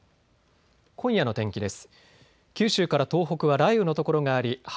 今夜の天気です。